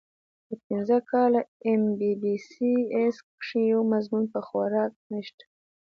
پۀ پنځه کاله اېم بي بي اېس کښې يو مضمون پۀ خوراک نشته